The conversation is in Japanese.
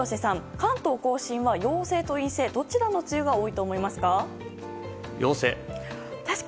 関東・甲信は陽性と陰性どちらの梅雨が多いと思いますか？